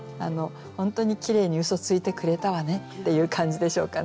本当にきれいに嘘ついてくれたわねっていう感じでしょうかね。